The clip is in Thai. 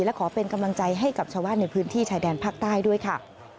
และขอเป็นกำลังใจให้กับชาวบ้านในพื้นที่ชายแดนภาคใต้ด้วยค่ะ